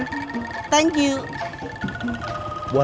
buat adem jadi apa